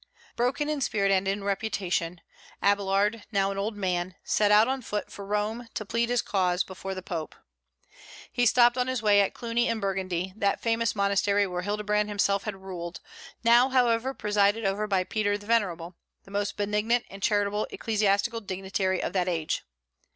Broken in spirit and in reputation, Abélard, now an old man, set out on foot for Rome to plead his cause before the Pope. He stopped on his way at Cluny in Burgundy, that famous monastery where Hildebrand himself had ruled, now, however, presided over by Peter the Venerable, the most benignant and charitable ecclesiastical dignitary of that age.